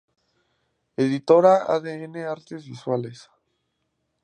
Editora adn artes visuales.